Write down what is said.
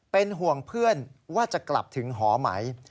เป็นห่วงเพื่อนว่าจะกลับถึงหอไหม